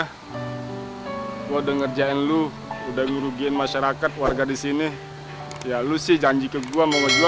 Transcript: hai udah ngerjain lu udah rugiin masyarakat warga di sini ya lu sih janji ke gua mau jual